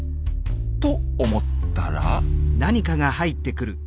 と思ったら。